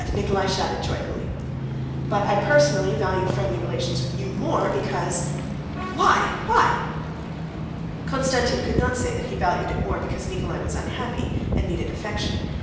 Nikolay shouted joyfully. "But I personally value friendly relations with you more because...." "Why, why?" Konstantin could not say that he valued it more because Nikolay was unhappy, and needed affection.